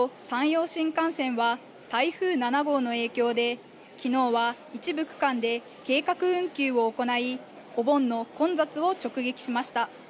東海道・山陽新幹線は台風７号の影響できのうは一部区間で計画運休を行い、お盆の混雑を直撃しました。